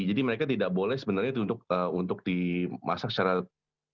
jadi mereka tidak boleh sebenarnya untuk dimasak secara langsung